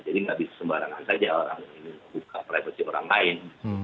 jadi tidak bisa sembarangan saja orang ini membuka privasi orang lain